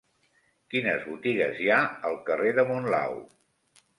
Quines botigues hi ha al carrer de Monlau?